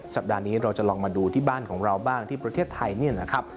สัปดาห์นี้เราจะลองมาดูที่บ้านของเราบ้างที่ประเทศไทยเนี่ยนะครับ